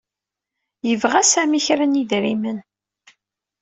Yebɣa Sami kra n yidrimen.